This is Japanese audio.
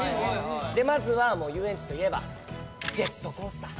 でまずはもう遊園地といえばジェットコースター。